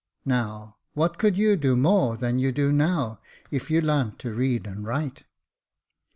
Now, what could you do more than you do now, if you larnt to read and write